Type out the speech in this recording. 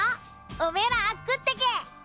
おめえら食ってけ。